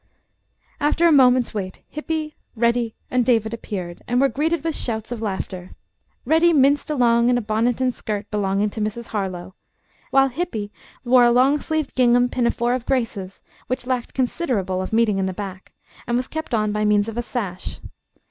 After a moment's wait, Hippy, Reddy and David appeared, and were greeted with shouts of laughter. Reddy minced along in a bonnet and skirt belonging to Mrs. Harlowe, while Hippy wore a long sleeved gingham pinafore of Grace's, which lacked considerable of meeting in the back, and was kept on by means of a sash.